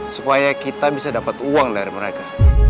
supaya kita bisa dapat uang dari mereka